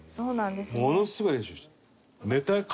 ものすごい練習した。